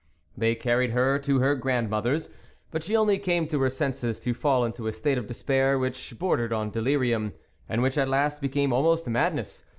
They carried her to her grand mother's, but she only came to her senses to fall into a state of despair which bor dered on delirium, and which at last became almost madness.